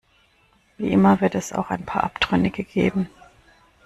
Wie immer wird es auch ein paar Abtrünnige geben.